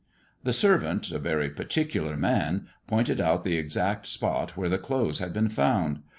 The servant, a very particular man, pointed out the exact spot where the clothes had been found.